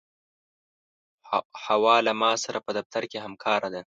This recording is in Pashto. حوا له ما سره په دفتر کې همکاره ده.